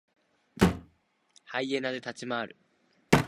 ハイエナで立ち回る。